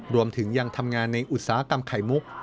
รวมถึงยังทำงานในอุตสาหกรรมไข่มุก